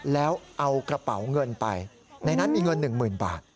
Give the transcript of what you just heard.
แล้วเอากระเป๋าเงินไปในนั้นมีเงิน๑๐๐๐บาท